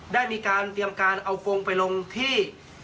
ได้มีการเตรียมการเอาโฟงไปลงที่